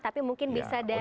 tapi mungkin bisa dari